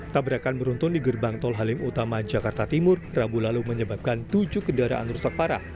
tabrakan beruntun di gerbang tol halim utama jakarta timur rabu lalu menyebabkan tujuh kendaraan rusak parah